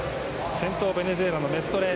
先頭はベネズエラのメストレ。